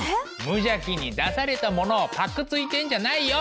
無邪気に出されたものをパクついてんじゃないよ！